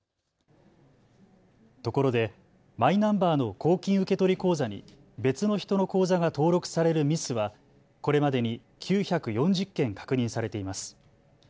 ところで、マイナンバーの公金受取口座に別の人の口座が登録されるミスはこれまでに９４０件、確認されています。